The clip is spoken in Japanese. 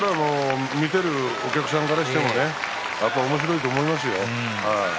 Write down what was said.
見ているお客さんの人もおもしろいと思いますよ。